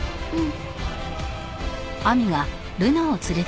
うん。